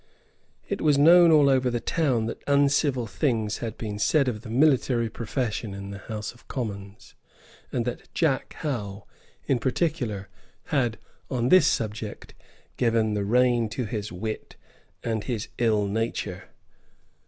It was known all over the town that uncivil things had been said of the military profession in the House of Commons, and that Jack Howe, in particular, had, on this subject, given the rein to his wit and to his ill nature.